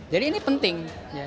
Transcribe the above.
jadi ini penting